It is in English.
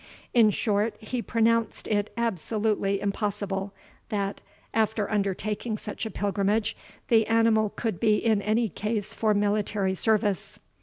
In short, he pronounced it absolutely impossible, that, after undertaking such a pilgrimage, the animal could be in any case for military service.